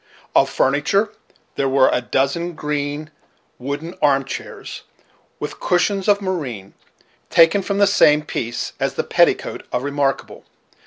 Of furniture, there were a dozen green, wooden arm chairs, with cushions of moreen, taken from the same piece as the petticoat of Remarkable.